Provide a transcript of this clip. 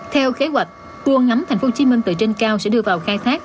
theo kế hoạch cua ngắm thành phố hồ chí minh từ trên cao sẽ đưa vào khai thác